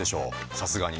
さすがに。